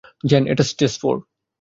Gen, এটা stage four.